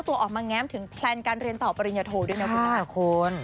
ตัวออกมาแง้มถึงแพลนการเรียนต่อปริญญาโทด้วยนะคุณแม่คุณ